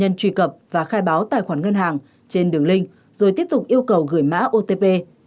nhân truy cập và khai báo tài khoản ngân hàng trên đường link rồi tiếp tục yêu cầu gửi mã otp